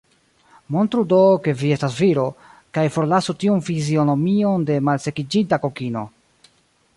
Montru do, ke vi estas viro, kaj forlasu tiun fizionomion de malsekiĝinta kokino.